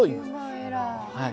はい。